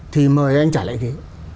thì mời anh trả lại ghế